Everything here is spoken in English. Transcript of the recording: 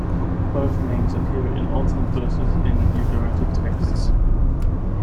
Both names appear in alternate verses in Ugaritic texts.